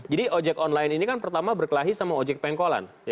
jadi ojek online ini kan pertama berkelahi sama ojek pengkolan